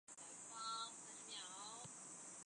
它们主要吃腐化的海草。